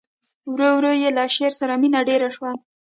ورو ورو یې له شعر سره مینه ډېره شوه